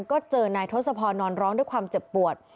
ก็เจอนายทศพรนอนร้องด้วยความเจ็บปวด